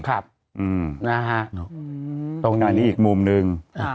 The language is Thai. อันนี้อีกมุมนึง